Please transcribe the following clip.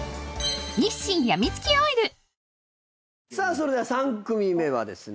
それでは３組目はですね